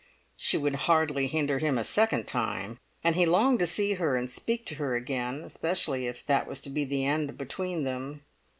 She would hardly hinder him a second time, and he longed to see her and speak to her again, especially if that was to be the end between them.